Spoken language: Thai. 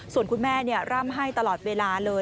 ส่วนคุณแม่ร่ำให้ตลอดเวลาเลย